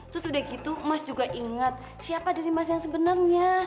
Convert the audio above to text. terus udah gitu mas juga ingat siapa dari mas yang sebenarnya